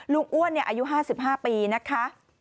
ลุงอ้วนเนี่ยอายุ๕๕ปีนะคะ